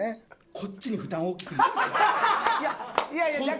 こっちに負担大きい。